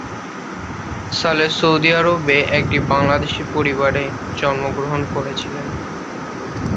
Saleh Saudi আরবে একটি বাংলাদেশী পরিবারে জন্মগ্রহণ করেছিলেন।